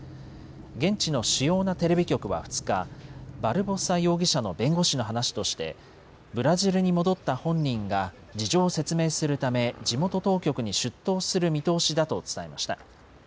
現地の主要なテレビ局は２日、バルボサ容疑者の弁護士の話として、ブラジルに戻った本人が事情を説明するため、地元当局に出頭する見通しだと伝えました。